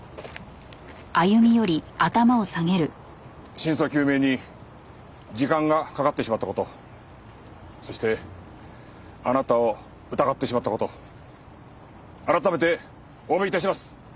真相究明に時間がかかってしまった事そしてあなたを疑ってしまった事改めてお詫び致します。